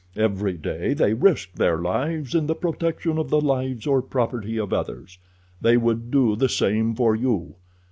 Every day they risk their lives in the protection of the lives or property of others. They would do the same for you.